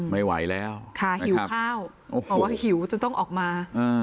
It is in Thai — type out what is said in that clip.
ไม่ไหวแล้วคราหิวห้าวออกมา